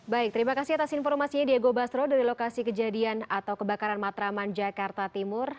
baik terima kasih atas informasinya diego basro dari lokasi kejadian atau kebakaran matraman jakarta timur